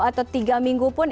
atau tiga minggu pun